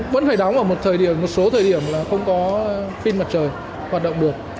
vẫn phải đóng ở một thời điểm một số thời điểm là không có pin mặt trời hoạt động được